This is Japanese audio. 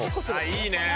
いいねぇ！